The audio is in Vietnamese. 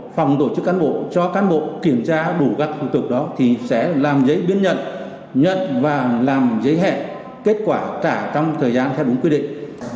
phòng tổ chức cán bộ cho cán bộ kiểm tra đủ các thủ tục đó thì sẽ làm giấy biên nhận và làm giấy hẹn kết quả trả trong thời gian theo đúng quy định